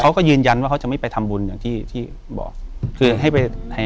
เขาก็ยืนยันว่าเขาจะไม่ไปทำบุญอย่างที่ที่บอกคือให้ไปให้